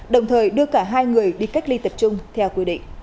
đồng thời đưa cả hai người đến tỉnh đồng tháp